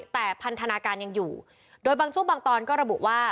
แต่พันธนาการยังอยู่โดยบางช่วงบางตอนก็ระบุว่า